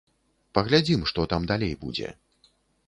Паглядзім, што там далей будзе.